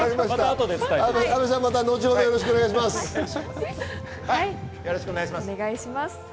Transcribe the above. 後ほどよろしくお願いします。